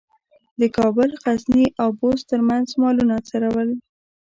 د کابل، غزني او بُست ترمنځ مالونه څرول.